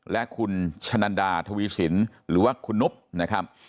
และคุณชะนันดาทวีสินหรือว่าคุณนุ๊กนะครับ